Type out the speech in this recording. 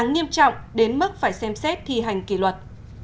nghiêm trọng đến mức phải xem xét thi hành kỷ luật